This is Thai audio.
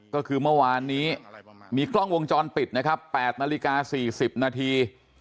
ก็คือเมื่อวานนี้มีกล้องวงจรปิดนะครับ๘นาฬิกา๔๐นาที